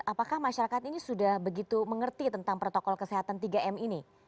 apakah masyarakat ini sudah begitu mengerti tentang protokol kesehatan tiga m ini